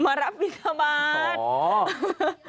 มารับวินทราบาท